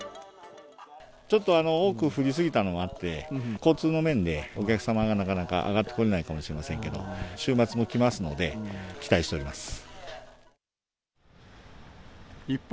ちょっと多く降り過ぎたのもあって、交通の面で、お客様がなかなか上がってこれないかもしれませんけど、週末も来一方